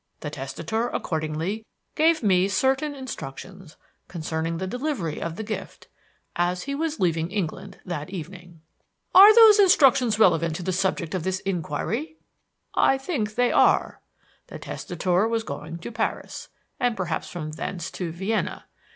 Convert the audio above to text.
The testator accordingly gave me certain instructions concerning the delivery of the gift, as he was leaving England that evening." "Are those instructions relevant to the subject of this inquiry?" "I think they are. The testator was going to Paris, and perhaps from thence to Vienna.